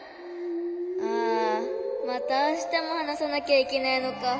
あまたあしたも話さなきゃいけないのか。